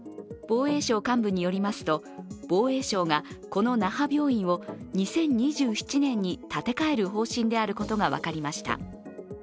防衛省幹部によりますと、防衛省がこの那覇病院を２０２７年に建て替える方針であることが分かりました。